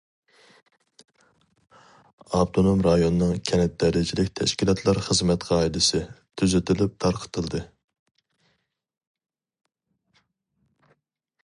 ‹‹ ئاپتونوم رايوننىڭ كەنت دەرىجىلىك تەشكىلاتلار خىزمەت قائىدىسى›› تۈزىتىلىپ تارقىتىلدى.